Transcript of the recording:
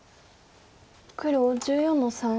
黒１４の三。